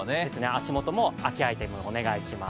足元も秋アイテム、お願いします。